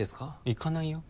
行かないよ